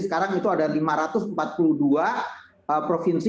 horizontal itu antar pemerintah daerah jadi sekarang itu ada lima ratus empat puluh dua provinsi